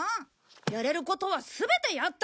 やれることは全てやった！